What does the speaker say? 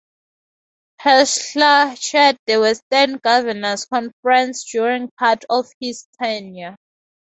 Herschler chaired the Western Governors Conference during part of his tenure.